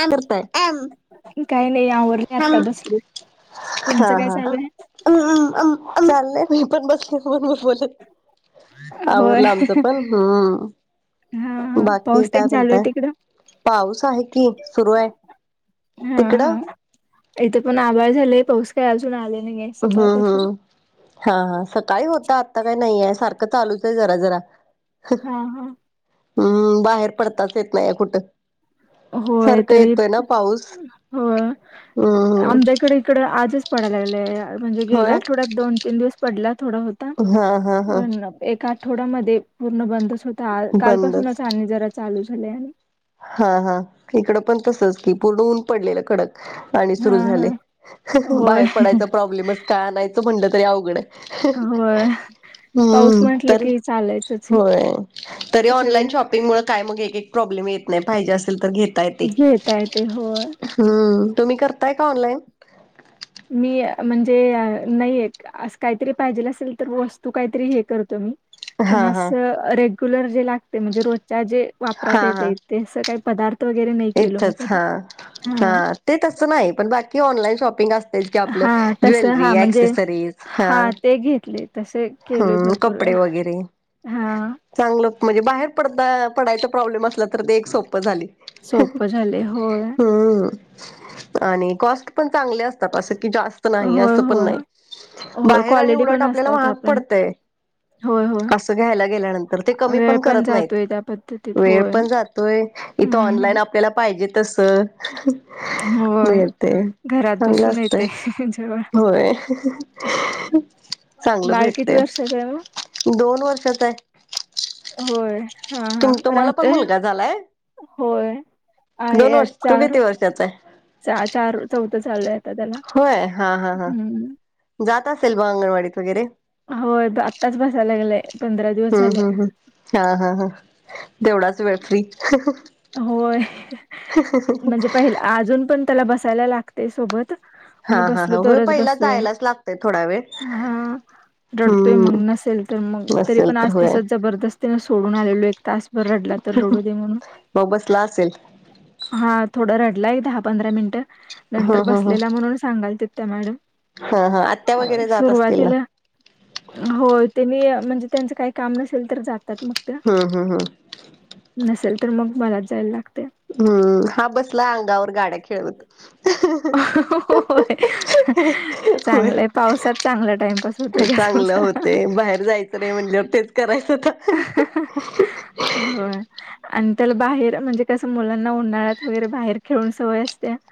I आ काही नाही आवर नाही आता बसल तुमचं काय चालू आहे ् आम्ही आले मी पण बसलेण मग बोलेत आहे? होय आवरडला आमचं पण हम्म हा हा पाऊस बाकी काय तेन चालू आहे म्हणताय तिकडं? पाऊस आहे कि सुरू आहे हा तिकडं हा इथे पण आभार झाले पाऊस काय अजून आले नाहीे हम्म हम्म हा हा सकाळी होता आत्ता काही नाहीय सारखं चालूच आहे जरा जरा हा हा हम्म बाहेर पडताच येत नाही या कुठं होय सारखं तरी येतोय ना पाऊस हो हम्म आमच्याकडे इकड आजच पडाय लागले म्हणजे गेल्या होय आठवड्यात दोन तीन दिवस पडला थोडा होत हा हा हा एका आठवड्यामध्ये पूर्ण बंदच होता बंदच कालपासूनच आणि जरा चालू झालेय आणि हा हा इकडं पण तसच की पूर्ण ऊन पडलेलं कडक पाणी हा सुरु हा झाले होय बाहेर पडायच प्रॉब्लेमच का आणयचं म्हणलं तरी अवघड आहे. हो हम्म तरी होय तरी सगळे ऑनलाईन शॉप प्र् असे घ य घेता येते होय. हम्म तुम्ही करताय का ऑनलाईन मी म्हणजे नाही एक अस काहीतरी पाहिजेला असेल तर वस्तू काहीतरी हे करतो मी पण हा हा असं रेग्युलर जे लागते म्हणजे रोजच्या जे वापरात हा हा येते ते असं काही पदार्थ वगैरे नाही केलो मी इथंच कधी हा. हा ते तसं नाही पण बाकी ऑनलाईन शॉपिंग असत आपलं हा ज्वेलरी एक्सेसरीज हा घ त हम्म कपडे वगैरे हा. चांगलं म्हणजे बाहेर पडता पडायचा प्रॉब्लेम असला तर ते एक सोप झाली सोपं झाले होय हम्म आणि कॉस्ट पण चांगले अस की जास्त नाही होय असं पण होय नाही होय बाहेर आणि क्वालिटी उलट पण आपल्याला असतात महाग आपण पडतय होय होय असं घ्यायला गेल्यानंतर ते कमी वेळ पण करत नाहीत जातोय त्या पद्धतीत वेळ होय. पण जात तो इथं हम्म ऑनलाईन हम्म आपल्याला पाहिजे तस मग होय. येते घरात चांगलं बसून असत येते जेवण. होय चांगलं बाळ किती भेटते वर्षाच आहे मग? दोन वर्षात आहे होय हा हा तुम तुम्हाला पण राहतय मुलगा झालाय होय दोन आहे वर्ष तू चार किती वर्षाचा आहे. चार चौथं चालू आता त्याला होय हा हा हा हम्म. जात असेल ब अंगणवाडीत वगैरे होय आत्ताच बसायलागलंय हम्म हम्म हम्म हा हा हा तेवढाच वे फ्री होय म्हणजे पहि अजून पण त्याला बसायला लागते सोबत हा मी हा हा बसलो, होय तरच पहिला बसतोय. जायलाच लागतय थोडा वेळ हा रडतोय मग, हम्म नसेल तर मग, तरी असेल पण तर आज होय तसच जबरदस्तीने सोडून आलेलो एक तास. रडला तर रडू दे म्हणून. मग बसला असेल. हा थोडा रडलाय, दहा पंधरा मिनिट नंतर हम्म हम्म बसलेला हम्म म्हणून सांगाल त त्या मॅडम. हा ह आत्या वगैरे जात असतील ना? हो ते मी म्हणजे त्यांचं काही काम नसेल, तर जातात मग त्या. हा ह. हा. नसेल तर, मग मला जायला लागते. हम्म. हा बसला अंगावर, गाड्या खेळवत. होय. होय चांगलंय, पावसात चांगला टाइमपास होतय. होते बाहेर जायच म्हणले वर तेच कराय होय आणि त्याला बाहेर म्हणजे कसं मुलांना उन्हाळ्यात वगैरे बाहेर खेळून सवय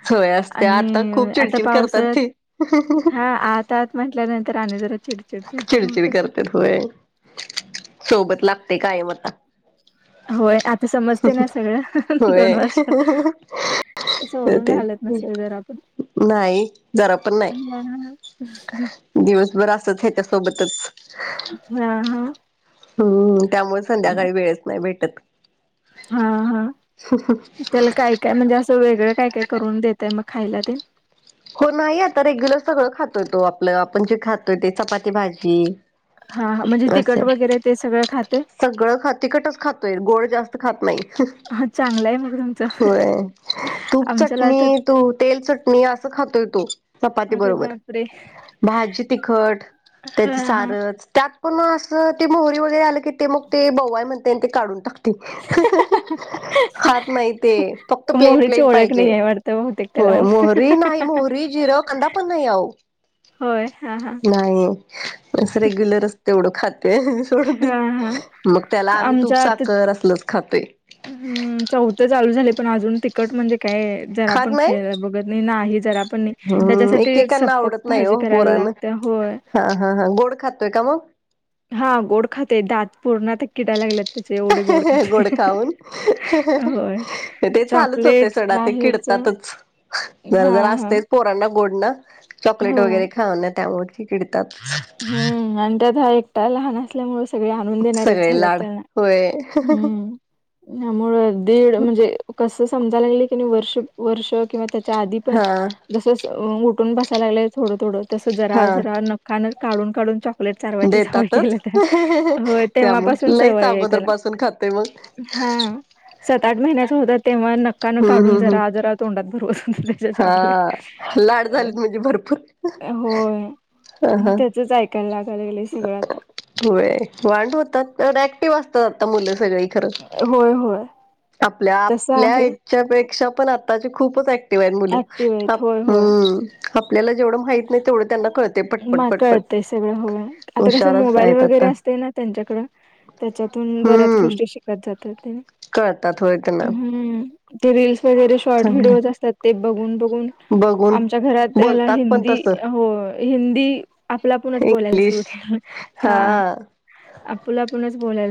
सोय असते आता आणि खूप आता चिडचिड करतात पावसाळ्यात, ते हा आत -आत म्हटल्यानंतर आणि जर चिड चीड होते करता होय, सोबत लागते कायम आता. होय. आता समजते ना सगळं. दोन होय वर्ष. सोडून हालत तेच नसेल जर आपण. नाही. जरा पण नाही दिवसभर असच, हयाच्यासोबतच. हा हा. हम्म. त्यामुळे संध्याकाळी वेळच नाही भेटत. हा हा. त्याला काय- काय म्हणजे असं वेगळं काय काय करून देतय मग खायला ते. हो, नाही आता, रेग्युलर सगळं खातोय तो, आपलं आपण जे खातोय ते चपाती भाजी. हा. म्हणजे तिकट असं वगैरे ते सगळं खाते. सगळं खाते तिकटच खातोय, गोड जास्त खात नाही. हा चांगलं आहे मग तुमचं होय. तूप आमच्याला तर चटणी, तू- तेल चटणी, अस खातोय तो, चपाती अरे बरोबर. बापरे भाजी तिखट, त्यात हा हा सारस त्यात पण असं ते मोहरी वगैरे आलं, की ते मग ते बवाय म्हणते ते काढून टाकते. खात नाही ते, फक्त प्लेन मोहरीची प्लेन ओळख नाही पाहिजे. आहे वाटतं बहुतेक तर. होय. मोहरी, नाही मोहरी, जिरं, कांदा, पण नाही अवो. होय हा हा नाही अस रेग्युलर अस तेवढं खाते आणि सोडून हा हा देते, मग त्याला आम्ही तूप साखर, असलच खातोय. हम्. चौथं चालू झाले पण अजून ते कट म्हणजे काय जर खात आपण नाही खायला बघत नाही जरा आपण नाही हम्म त्याच्यासाठी स एकेकांना आवडत नाही हो, गोड आहे न, हा हा हा गोड खातोय का मग? हा गोड खाते दात पूर्ण आता किडाला लागलंत. गोड खाऊन, होय ते चालूच होते की चॉकलेट ते ते बाहेरच किडतातच. जरा हा जर हा असतेच पोरांना गोड न, चॉकलेट हो वगैरे खाऊन, त्यामुळे, ते चिडतात. हम्म आणि त्यात हा एकटा लहान असल्यामुळे सगळे आणून देणारेच सगळे झालेत लाड त्यांना. होय हम्म. त्यामुळं दीड म्हणजे कस समजायला गेलं की नाही वर्ष- वर्ष किंवा त्या त्या आधी पण हा जस उठून बसायला लागले थोड थोड तस जरा हा जरा नखाने - काढून काढून चॉ लेट चारवायची सवय देतातच केली त्याला, हो, तेव्हापासून त्यामुळे लईच सवय आहे अगोदर त्याला. पासून खातोय मग हा सात आठ महिन्याचा होत तेव्हा नक्का न हम्म काढून हम्म हम्म जरा जरा तोंडात भरवत. हा चॉकलेट लाड झालीत म्हणजे भरपूर अ ह ह. कला कल सगळ आत. हो वाां होतात ऍक्टिव्ह असतात आता मुलं सगळी खरं. होय होय. आपल्या तसं आपल्या आहे याच्यापेक्षा पण आताची खूपच. ऍक्टिव्ह आहेत मुले ऍक्टिव्ह हम आपल्याला जेवढं. माहित नाही तेवढं त्यांना कळते पटपट म पटपट कळतय सगळं ह आता कस हुशारच मोबाईल आहेत वगैरे आता असते ना त्यांच्याकड त्याच्यातून बऱ्याच हम्म गोष्टी शिकत जातात. कळतात होय त्यांना. हम्म ते रीलस वगैरे शॉर्ट व्हिडिओज चांगलं असतात, ते बघून बघून बघून आमच्या घरात याला बोलतात पण हिंदी तस हो हिंदी आपला पणच बोलायला सुरु इंग्लिश केलं हा. आपला आपणच बोलाल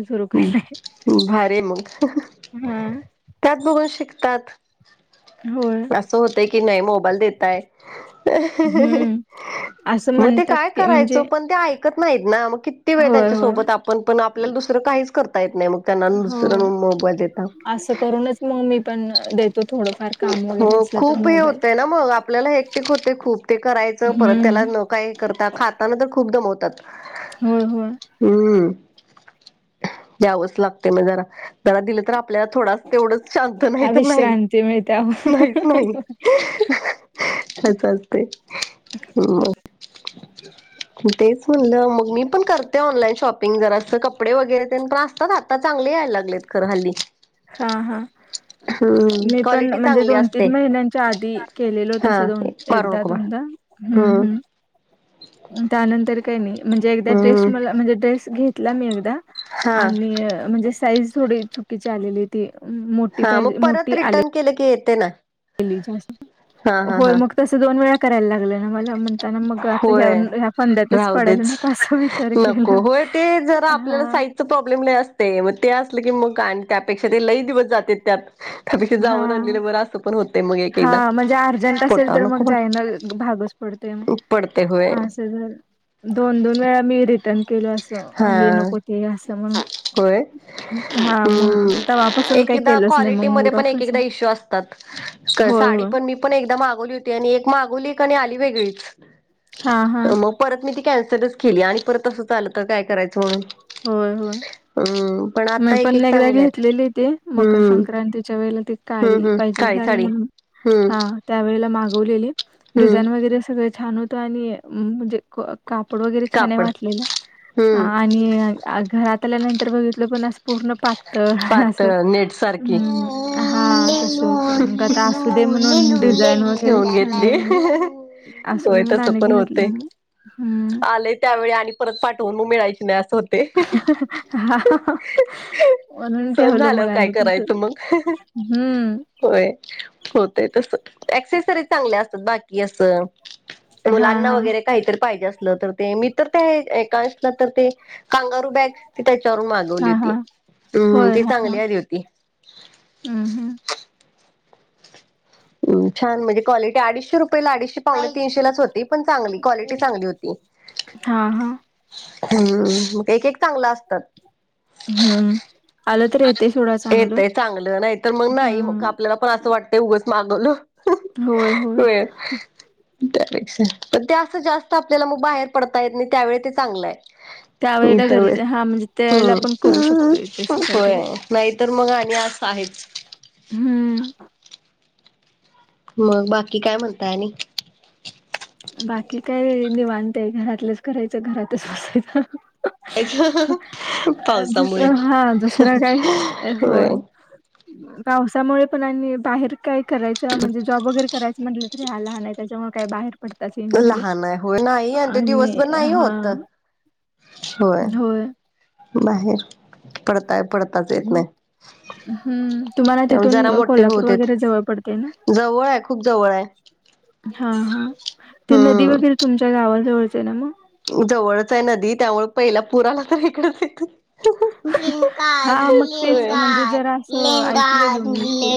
भारी मग. हा. त्यात बघून शिकतात. होय. अस होत की नाही मोबाईल देतय. हम्म असं मग ते म्हणतात काय की करायचं म्हणजे पण ते ऐकत नाहीत ना मग किती वेळ होय त्यांच्या होय सोबत. पण पण आपल्याला दुसरं काहीच करता येत नाही मग. त्यांना हो, दुसरं मोबाईल देता असं करूनच मग मी पण देत. हो खूप हे होतय ना मग आपल्याला एकटिक होते खूप ते करायच. त हम्म त्याला न काय करता खाताना तर खूप दमवतात. होय होय. हम्म, यावच लागते मग जरा. जला दिलं तर आपल्याला थोडा तेवढंच शांत नाही तर नाही. ते मिळते. अस असते, ह. तेच म्हणलं मग मी पण करते ऑनलाईन शॉपिंग जरा अस कपडे वगैरे पण असतात. आता चांगले यायला लागलेत खर हल्ली. हा हा, हम्म मी. पण क्वालिटी म्हणजे चांगली दोन, असते तीन महिन्यांच्या आधी हा केलेलतस दोन मारू एकदा नको बाळ दोनदा हम्म हम्. त्यानंतर काही नाही, म्हणजे एकदा ड्रेस हम्म मला म्हणजे ड्रेस घेतला मी एकदा. हा आणि म्हणजे साईज थोडी चुकीची आलेली ती मोठी पाहिजे मोठी आली. केलेक येते ना. हा हा हो हा मग तस दोन वेळा करायला लागलं. मला म्हणताना मग आता होय ह्या फद्यातच राहू पडायला देच नको असा विचार केला. नको होय ते जरा आपल्याला हा साईज प्रॉब्लेम ल असते मग ते असल की मग आणि त्यापेक्षा ते लई दिवस जाते त्यात. त्यापेक्ष जाऊन हा आणलेले बर असं पण होत. मग एक एकदा हा म्हणजे अर्जंट असेल फोटा तर मग नकोट जायला भागच पडतोय मग पडते होय. [unintelligible] दोन दोन वेळा मी रिटर्न केलो हा असं हे नको ते असं मग. होय हा मग हम्म तव्हापासून काय केलंच नाही मग मूड ऑफ. तिकडे इशू असतात साडी होय पण मी पण एकद मागवली होती, आणि एक मागवली का आणि आली वेगळीच. हा हा. मग परत मी ती कॅन्सरच केली आणि परत असं आललं तर काय करायचं म्हणून. होय होय. हम्. मी पण एकदा घेतलेली ते मकर हम्म संक्रांतीच्या वेळे ती काळी हम्म हम्म पाहिजे काळी साडी म्हणून हम्म. हां, त्यावेळेला मागवलेली हम्म डिझाईन वगैरे सगळ छान होतं आणि म्हणजे कापड वगैरे छान आहे कापड वाटलेला हम्म आणि घरात आल्यानंतर बघित. तर ते असं पूर्ण पातळ अस् पातळ नेट सारखी ह हा तसं होतं मग आता असू दे म्हणून, डिझाईन वगैरे ठेवून छान आहे घेतली म्हणून, असू दे म्हणून अनेक घेतला ना. आलय त्यावेळी आणि परत पाठवून मग मिळायची नाही असं होतं. हा. म्हणून ती सण हॅलो झाल्यावर काय म्हणाल ती, करायचं मग हम्म. होय, होतय तस, ॲक्सेसरीज चांगल्या असतात बाकी असं. हां, मुलांना हां. वगैरे काहीतर पाहिजे असलं तर, ते मी तर ते, एकांशला तर ते कांगारू बॅग, ती त्याच्यावरून मागवली हां, होती. हां. हम्म होय, ती हा, हा, चांगली आली होती हम्म, हम्म. हम्म, छान म्हणजे कॉलेटी अडीशे रुपयाला अडीशे पाणे तीनशे लाच होती, पण चांगली कॉलेटी चांगली होती. हा हा. हम्म, मग एक एक चांगलं असतांत. हम्म- हा तेच, येतंय चांगलं नाही तर मग नाही मग हम्म आपल्याला पण असं वाटतं. ते उगच मागवलं, होय. त्यापेक्षा, पण ते असं जास्त आपल्याला मग बाहेर पडता येत नाही त्यावेळी ते चांगलं त्यावेेळेला हायं. गरजे हा म्हणजे त्यावेेळेला आपण करू शकतोय तसं [unintelligible] काहीतरी होय, नाही तर मग आणि असं आहेच. हम्म. मग बाकी काय म्हणताय आणि. बाकी काय निवांत हाय, घरातलंच करायचं घरातच बसायचं. पावसामुळे दुसर, हा दुसर काय, होय. पावसामुळे पण आणि बाहेर काय करायचं, म्हणजे जॉब वगैरे करायचं म्हंटल्यात. राहायला आलाय त्याच्यामुळे काय बाहेर पडताच येईना झालय, लहान आहे होय नाही ते आणि दिवसभर नाही हा. होत होय. बाहेर पडताय, पडताच येत नायं. हम्म, तुम्हाला तिथून कोल्हापूर देत. वगैरे जवळ पडतंय ना. जवळ आहे खूप जवळ आहे हा, हा, ते नदी वगैरे हम्म तुमच्या गावा जवळचं आहे ना मग. जवळच आहे. नदी त्यामुळे पहिला पुराला आला तर इकडेच येतो. [inaudible] [unintelligible] काय, हा मग तेच म्हणजे जरा असं ऐकलेलो मी ते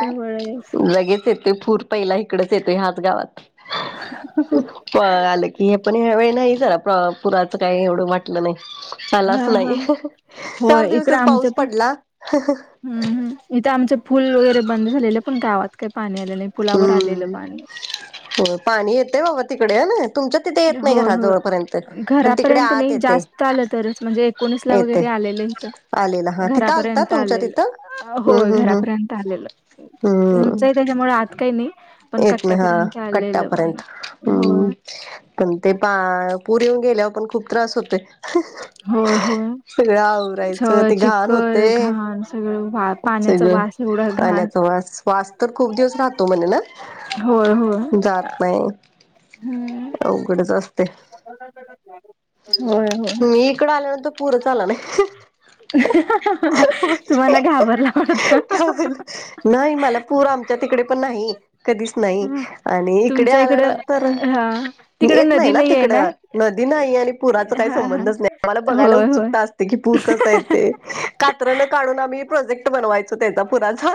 जवळ आहे असं. लगेच येते. ते पूर पहिला इकडच येतोय. ह्याच गावात प आले की हे पण ह्यावेळी नाही. जरा प पुराचं काही एवढं वाटलं नाही. हा आलाच हा नाही हं, चार होय इकडं दिवसच आमचं पाऊस पण पडला. हं, हं हम्म, हम्म, इथे आमचे फूल वगैरे बंद झालेले. पण गावात काय पाणी येत आपल्या लय पुलावर आलेलं हम्म पाणी. हो पाणी येतेय बाबा तिकडे हनी, तुमच्या तिथे येत नाही होय घरा जवळपर्यंत, पण तिकडे आत येतंय. चालेल तरच, म्हणजे एकोणीस ला वगैरे आलेलं हित. आलेला हा तिथं आलता घरापर्यंत तुमच्या आलेलं, तिथं हम्म होय हम्म हम्म घरापर्यंत आलेल, उंच हम्म हायं त्याच्यामुळ. त्यामुळें आत काय नाहीं. येत नाही हा, कट्टापर्यंत होय. हम्म पण ते पा, पूर येऊन गेल्यावर पण खूप त्रास होतोयं. होय होय सगळं आवरायचं, सगळं ते घाण चिखल होतंय, घाण सगळं वा पाण्याचा सगळं, वास एवढा घाण खाण्याचा वास. वास तर खूप दिवस राहतो म्हणे ना, होय होय जात नायं. हम्म अवघडच असतयं. [inaudible] होय होय मी इकड आल्यानंतर पुरच आला नायं. तुम्हाला घाबरला वाटतं. नायं मला, पूर आमच्या तिकडे पण नाही. कधीच नाही ह आणि इकडे तुमच्या इकडं आल्यानंतर अ, हा तिकड येत नाही नदी ना आहे तिकडं. नदी नाही आणि पुराचा काही हा हा संबंधच नाही आम्हाला ला बघायला होय होय उत्सुकता असते की पूर कस. कात्रन काढून आम्ही प्रोजेक्ट बनवायचो त्याचा पुराचा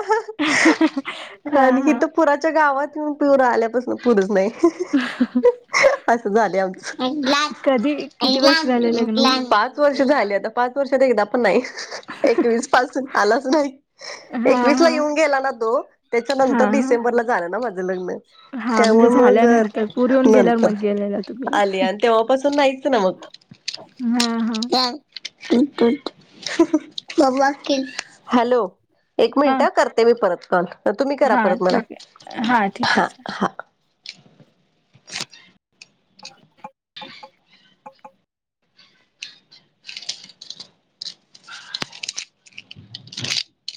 हा आणि इथं हा पुर पुराच्या गावात येऊन पिवर आल्यापासून पुूरच नाही असं झाले आमचं. कधी [unintelligible] किती वर्ष झाले लग्न होऊन? पाच वर्ष झाली आता पाच वर्षात एकदा पण नाही एकवीस पासून आलाच नाही. हा एकवीस ला हा येऊन गेला ना तो हा त्याच्यानंतर हा डिसेंबरला झालं ना माझं लग्न. हा म्हणजे त्यामुळं झाल्यानंतर पूर येऊन मग गेल्यावर नंतर मग गेलेला तुम्ही आली आली. तेव्हापासून नाहीच ना मग. हा हां [unintelligible] हॅलो एक हा मिनट करते हां मी परत कॉल तुम्ही करा हा परत मला ठीक हा ठीक आहे [inaudible] [inaudible]